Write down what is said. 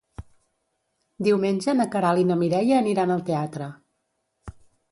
Diumenge na Queralt i na Mireia aniran al teatre.